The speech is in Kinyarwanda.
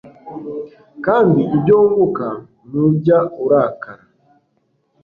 Kandi ibyo wunguka ntujya urakara